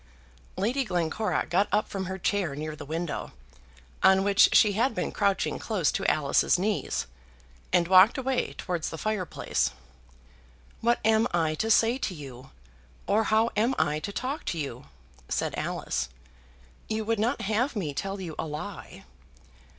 Lady Glencora got up from her chair near the window, on which she had been crouching close to Alice's knees, and walked away towards the fireplace. "What am I to say to you, or how am I to talk to you?" said Alice. "You would not have me tell you a lie?"